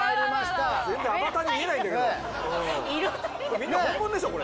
みんな本物でしょこれ。